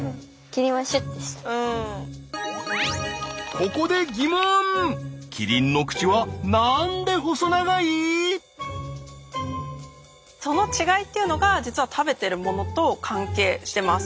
ここでその違いというのが実は食べてるものと関係してます。